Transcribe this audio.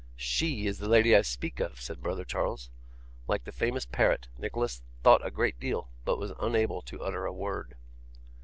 'SHE is the lady I speak of,' said brother Charles. Like the famous parrot, Nicholas thought a great deal, but was unable to utter a word.